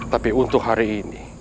tapi untuk hari ini